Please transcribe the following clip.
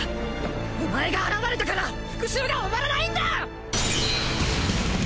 お前が現れたから復讐が終わらないんだ！